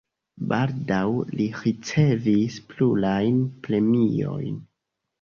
Baldaŭ li ricevis plurajn premiojn.